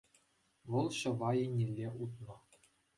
вӑл ҫӑва еннелле утнӑ.